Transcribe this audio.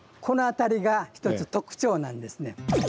この辺りが一つ特徴なんですね。